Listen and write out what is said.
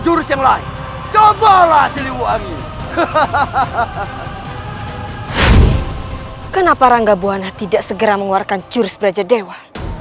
oh siliwangi mengeluarkan jurus prata sukma